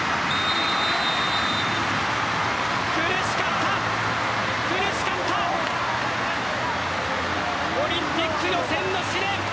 苦しかった、苦しかったオリンピック予選の試練